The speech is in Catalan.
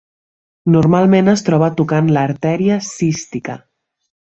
Normalment es troba tocant l'artèria cística.